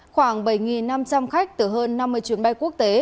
khoảng bảy năm trăm linh khách từ hơn năm mươi chuyến bay quốc tế